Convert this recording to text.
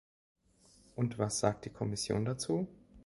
Und was sagt die Kommission dazu?